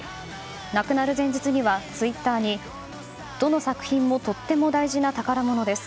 亡くなる前日にはツイッターにどの作品もとっても大事な宝物です。